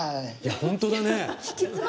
本当だね。